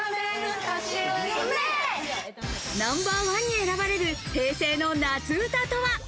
ナンバーワンに選ばれる平成の夏歌とは？